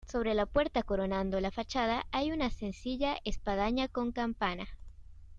Sobre la puerta, coronando la fachada, hay una sencilla espadaña con campana.